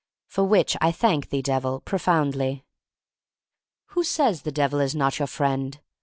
For which I thank thee, Devil, pro foundly. Who says the Devil is not your friend?